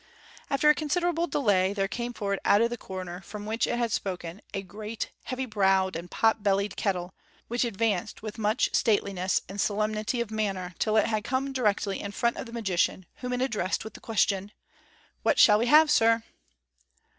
After a considerable delay, there came forward ont of the corner from which it had spoken a great heavy browed and pot bellied kettle, which advanced with much stateliness and solemnity of manner till it had come directly in front of the magician, whom it addressed with the question: "What shall we have, sir?"